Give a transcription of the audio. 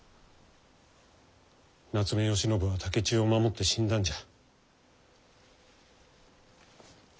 夏目吉信は竹千代を守って死んだんじゃ。